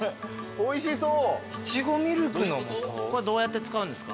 おいしそう。